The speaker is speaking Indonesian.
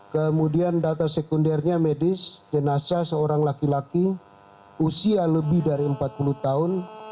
kemudian data sekundernya medis jenazah seorang laki laki usia lebih dari empat puluh tahun